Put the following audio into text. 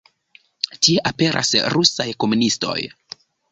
Tie aperas Rusaj komunistoj.